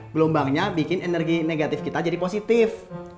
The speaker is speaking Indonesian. gelombangnya bikin energi negatif kita jadi positif